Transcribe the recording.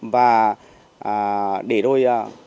và để đôi